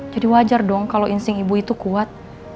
jadi wajar dong kalau insing ibu itu kuat